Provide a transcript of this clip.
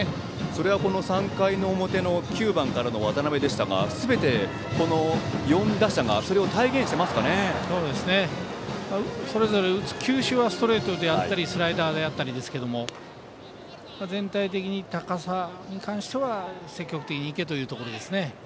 それは、３回の表は９番の渡辺でしたがすべてこの４打者がそれぞれ打つ球種はストレートだったりスライダーですけれども全体的に高めに関しては積極的に行けということですね。